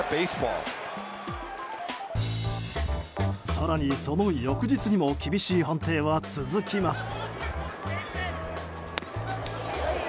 更に、その翌日にも厳しい判定は続きます。